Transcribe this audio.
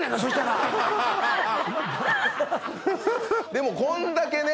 でもこんだけね